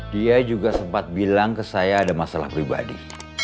dia juga sempat bilang ke saya ada masalah pribadi